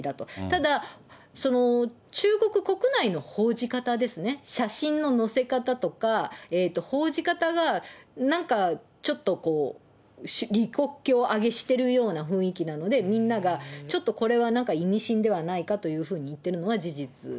ただ、中国国内の報じ方ですね、写真の載せ方とか、報じ方がなんか、ちょっとこう、李克強あげしてるような雰囲気なので、みんながちょっとこれは、なんか意味深ではないかというふうに言ってるのは事実です。